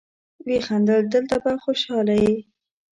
ويې خندل: دلته به خوشاله يې.